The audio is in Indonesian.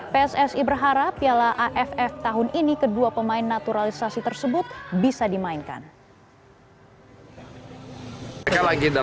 pssi berharap piala aff tahun ini akan berjalan dengan baik